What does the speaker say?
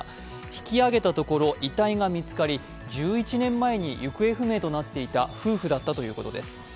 引き揚げたところ遺体が見つかり、１１年前に行方不明となっていた夫婦だったということです。